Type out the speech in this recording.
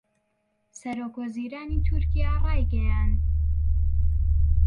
سەرۆکوەزیرانی تورکیا رایگەیاند